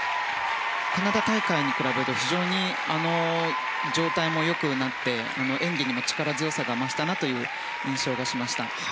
カナダ大会に比べると非常に状態も良くなって演技に力強さが増したなという印象がしました。